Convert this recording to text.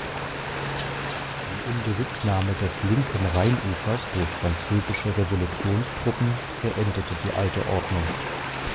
Die Inbesitznahme des Linken Rheinufers durch französische Revolutionstruppen beendete die alte Ordnung.